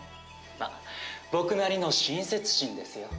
まあ僕なりの親切心ですよ。